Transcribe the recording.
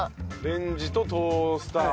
レンジとトースター。